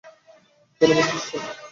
ধন্যবাদ, সিস্টার।